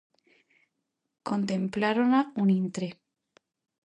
Contemplárona un intre.